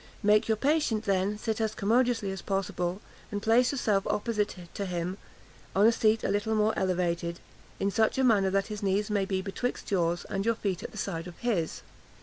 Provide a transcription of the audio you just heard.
Make your patient then sit as commodiously as possible, and place yourself opposite to him, on a seat a little more elevated, in such a manner that his knees may be betwixt yours, and your feet at the side of his.